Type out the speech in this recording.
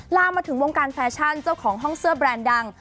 ลามมาถึงวงการแฟชั่นเจ้าของห้องเสื้อแบรนด์ดัง